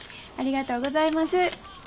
ありがとうございます。